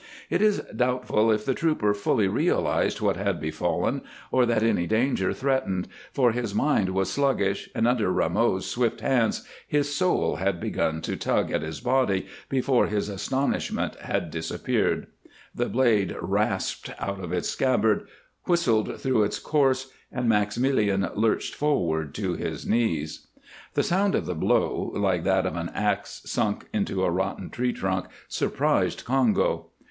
It is doubtful if the trooper fully realized what had befallen or that any danger threatened, for his mind was sluggish, and under Rameau's swift hands his soul had begun to tug at his body before his astonishment had disappeared. The blade rasped out of its scabbard, whistled through its course, and Maximilien lurched forward to his knees. The sound of the blow, like that of an ax sunk into a rotten tree trunk, surprised Congo.